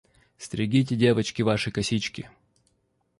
Стригите, девочки, ваши косички.